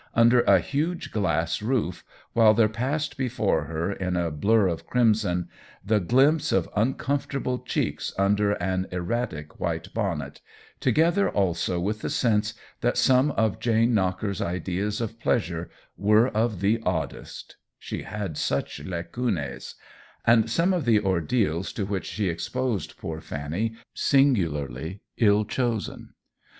under a huge glass roof, while there passed before her, in a blur of crimson, the glimpse of uncomfortable cheeks under an erratic white bonnet, together also with the THE WHEEL OF TIME 37 sense that some of Jane Knocker's ideas of pleasure were of the oddest (she had such lacimes\ and some of the ordeals to which she exposed poor Fanny singularly ill chosen.